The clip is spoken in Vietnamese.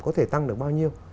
có thể tăng được bao nhiêu